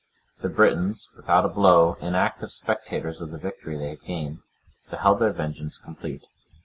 The Britons, without a blow, inactive spectators of the victory they had gained, beheld their vengeance complete.